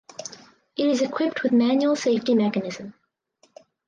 It is equipped with manual safety mechanism.